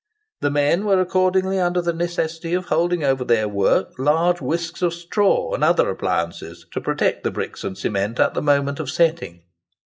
The men were accordingly under the necessity of holding over their work large whisks of straw and other appliances to protect the bricks and cement at the moment of setting.